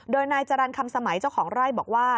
โดยนายจรรย์คำสมัยเจ้าของไร่บอกว่า